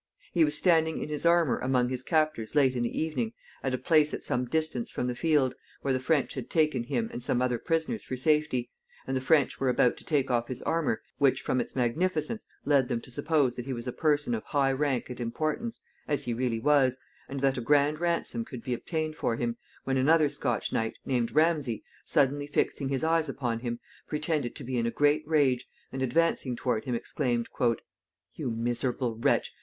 He was standing in his armor among his captors late in the evening, at a place at some distance from the field, where the French had taken him and some other prisoners for safety, and the French were about to take off his armor, which, from its magnificence, led them to suppose that he was a person of high rank and importance, as he really was, and that a grand ransom could be obtained for him, when another Scotch knight, named Ramsay, suddenly fixing his eyes upon him, pretended to be in a great rage, and, advancing toward him, exclaimed, "You miserable wretch!